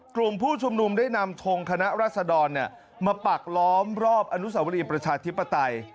กลุ่มผู้ชุมนุมได้นำทงคณะรัศดรมาปักล้อมรอบอนุสาวรีประชาธิปไตย